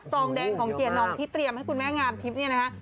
ทรองแดงของเกียรติน้องที่เตรียมให้คุณแม่งามทิศนี้นะฮะ